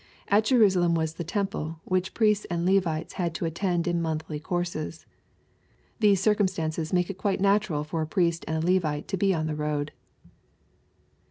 At Jerusa lem was the temple, which Priests and Levites had to attend in monthly courses. These circumstances make it quite natural for a Priest and a Levite to be on the road.